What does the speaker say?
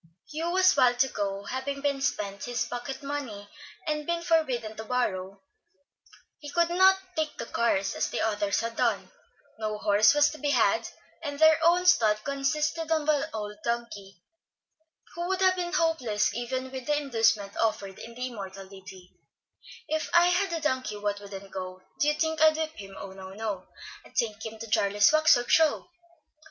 Hugh was wild to go, but having spent his pocket money and been forbidden to borrow, he could not take the cars as the others had done; no horse was to be had, and their own stud consisted of an old donkey, who would have been hopeless even with the inducement offered in the immortal ditty, "If I had a donkey what wouldn't go, Do you think I'd whip him? Oh, no, no! I'd take him to Jarley's Wax work Show."